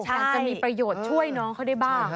อาจจะมีประโยชน์ช่วยน้องเขาได้บ้าง